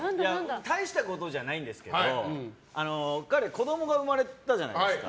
大したことじゃないんですけど彼、子供が生まれたじゃないですか。